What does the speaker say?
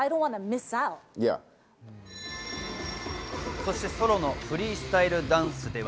そしてソロのフリースタイルダンスでは。